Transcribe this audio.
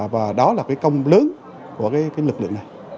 và đó là công lớn của lực lượng này